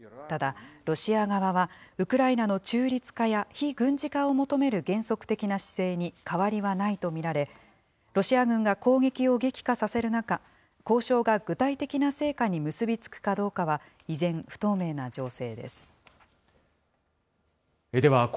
ただ、ロシア側はウクライナの中立化や、非軍事化を求める原則的な姿勢に変わりはないと見られ、ロシア軍が攻撃を激化させる中、交渉が具体的な成果に結び付くかどうかは依然、不透明な情勢です。